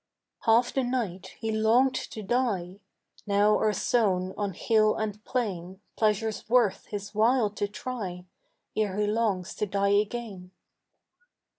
Half the night he longed to die, Now are sown on hill and plain Pleasures worth his while to try Ere he longs to die again.